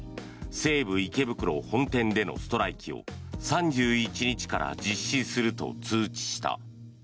西武池袋本店でのストライキを３１日から実施すると通知した。